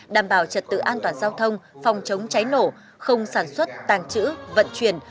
đảm bảo trật tự an toàn giao thông phòng chống cháy nổ không sản xuất tàng trữ vận chuyển